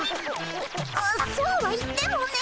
そうは言ってもね。